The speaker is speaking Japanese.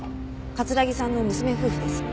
桂木さんの娘夫婦です。